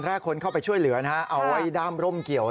ลากขึ้นไปข้างบนก่อนอ้อตายแล้ว